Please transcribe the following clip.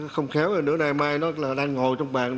không khéo nữa đời mai nó đang ngồi trong bàn